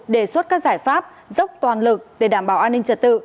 đề xuất các giải pháp dốc toàn lực để đảm bảo an ninh trật tự